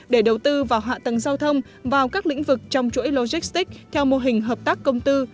để đầu tư vào hạ tầng giao thông vào các lĩnh vực trong chuỗi logistics theo mô hình hợp tác công tư